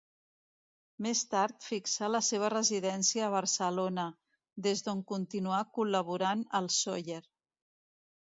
Més tard fixà la seva residència a Barcelona, des d'on continuà col·laborant al Sóller.